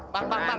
pak pak pak